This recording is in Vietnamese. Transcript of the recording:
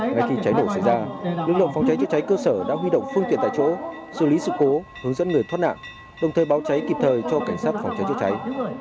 ngay khi cháy nổ xảy ra lực lượng phòng cháy chữa cháy cơ sở đã huy động phương tiện tại chỗ xử lý sự cố hướng dẫn người thoát nạn đồng thời báo cháy kịp thời cho cảnh sát phòng cháy chữa cháy